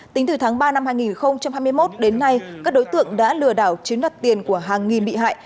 tính từ tháng ba năm hai nghìn hai mươi một đến nay các đối tượng đã lừa đảo chiếm đặt tiền của hàng nghìn bị hại